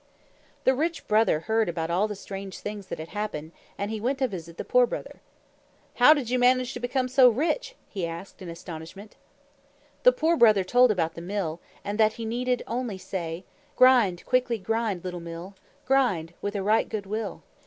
The Rich Brother heard about all the strange things that had happened, and he went to visit the Poor Brother. "How did you manage to become so rich?" he asked in astonishment. The Poor Brother told about the Mill, and that he need only say, "Grind, quickly grind, little Mill, Grind with a right good will!"